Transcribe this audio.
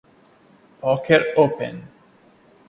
Poker Open.